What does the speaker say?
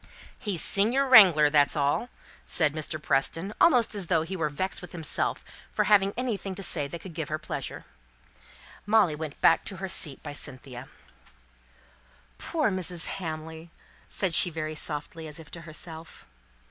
"He's senior wrangler, that's all," said Mr. Preston, almost as though he were vexed with himself for having anything to say that could give her pleasure. Molly went back to her seat by Cynthia. "Poor Mrs. Hamley," said she, very softly, as if to herself.